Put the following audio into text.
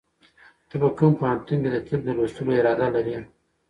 ته په کوم پوهنتون کې د طب د لوستلو اراده لرې؟